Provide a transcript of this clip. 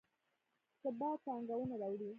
ثبات پانګونه راوړي